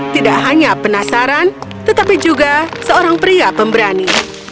tidak hanya penasaran tetapi juga seorang pria pemberani